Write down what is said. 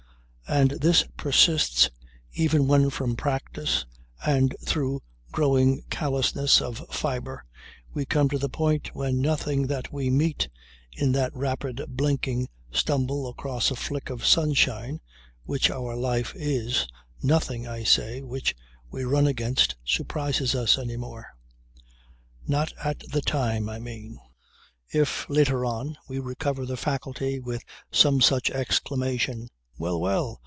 And this persists even when from practice and through growing callousness of fibre we come to the point when nothing that we meet in that rapid blinking stumble across a flick of sunshine which our life is nothing, I say, which we run against surprises us any more. Not at the time, I mean. If, later on, we recover the faculty with some such exclamation: 'Well! Well!